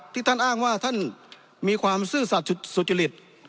ท่านอ้างว่าท่านมีความซื่อสัตว์สุจริต